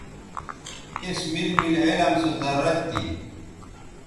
اس میل میل علم سو ضرورت تھی